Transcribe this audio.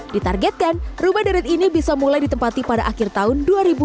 ditargetkan rumah deret ini bisa mulai ditempati pada akhir tahun dua ribu dua puluh